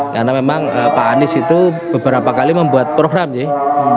karena memang pak anies itu beberapa kali membuat program sih